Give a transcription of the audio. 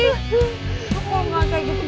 lu kok ga kayak gitu